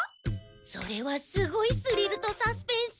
それはすごいスリルとサスペンス！